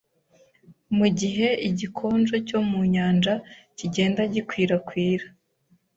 Mugihe igikonjo cyo mu nyanja kigenda gikwirakwira